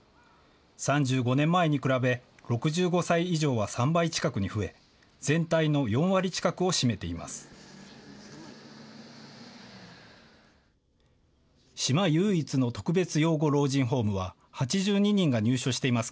３５年前に比べ６５歳以上は３倍近くに増え全体の４割近くを占めています。